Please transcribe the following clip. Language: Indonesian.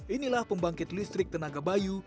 inilah pembangkit listrik tenaga bayu